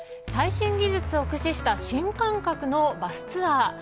最新技術を駆使した新感覚のバスツアー